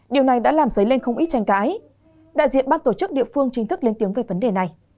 điều này đã làm dấy lên không ít tranh cãi đại diện ban tổ chức địa phương chính thức lên tiếng về vấn đề này